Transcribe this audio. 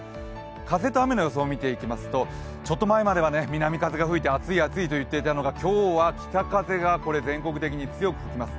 風と雨の予想を見ていきますとちょっと前までは南風が吹いて暑い暑いと言っていたのが今日は北風が全国的に強く吹きます。